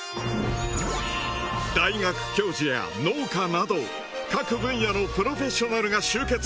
大学教授や農家など各分野のプロフェッショナルが集結。